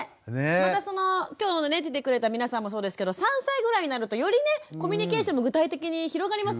また今日出てくれた皆さんもそうですけど３歳ぐらいになるとよりねコミュニケーションも具体的に広がりますもんね。